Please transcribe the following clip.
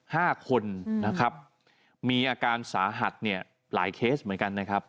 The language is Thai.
ห้าคนนะครับมีอาการสาหัสเนี่ยหลายเคสเหมือนกันนะครับ